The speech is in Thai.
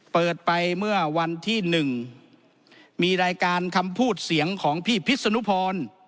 เปิดไปเมื่อวันที่๑มีรายการคำพูดเสียงของพี่พิษนุพร